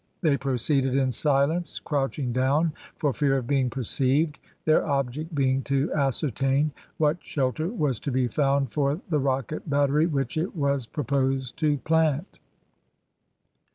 They proceeded in silence, crouching down for fear of being perceived, their object being to ascertain what shelter was to be found for the rocket battery which it was proposed to plant.